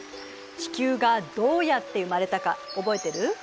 地球がどうやって生まれたか覚えてる？